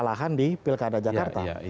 nah bagaimana kelanjutan dari partai demokrat